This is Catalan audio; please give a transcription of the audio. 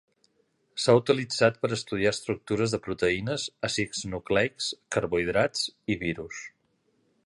S'ha utilitzat per estudiar estructures de proteïnes, àcids nucleics, carbohidrats i virus.